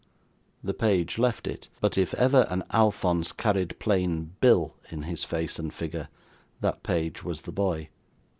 The page left it; but if ever an Alphonse carried plain Bill in his face and figure, that page was the boy.